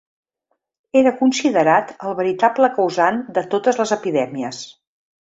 Era considerat el veritable causant de totes les epidèmies.